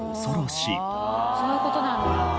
そういう事なんだ。